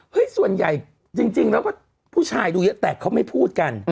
ส่วนใหญ่จริงแล้วก็ผู้ชายดูเยอะแต่เขาไม่พูดกัน